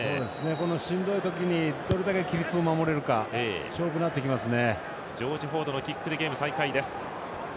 この、しんどい時にどれだけ規律を守れるか勝負になってきますね。